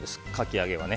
かき揚げは。